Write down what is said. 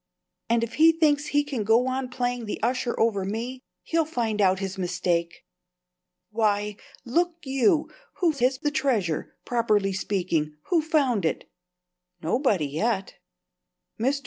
"And if he thinks he can go on playing the usher over me, he'll find out his mistake. Why, look you, whose is the treasure, properly speaking? Who found it?" "Nobody, yet." Mr.